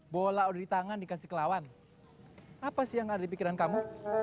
bola udah di tangan dikasih ke lawan apa sih yang ada di pikiran kamu